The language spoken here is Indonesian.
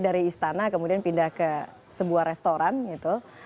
dari istana kemudian pindah ke sebuah restoran gitu